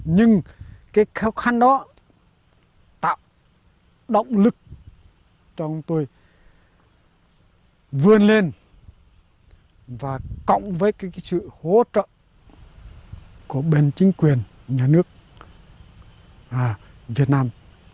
nhưng cái khó khăn đó tạo động lực cho chúng tôi vươn lên và cộng với cái sự hỗ trợ của bên chính quyền nhà nước việt nam